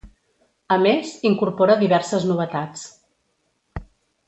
A més, incorpora diverses novetats.